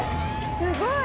すごい！